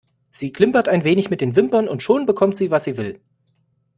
Sie klimpert ein wenig mit den Wimpern und schon bekommt sie, was sie will.